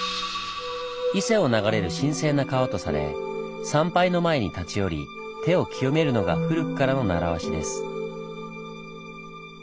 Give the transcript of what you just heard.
伊勢を流れる神聖な川とされ参拝の前に立ち寄り手を清めるのが古くからの習わしです。